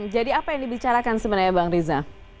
jadi apa yang dibicarakan sebenarnya bang riza